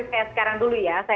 saya sekarang dulu ya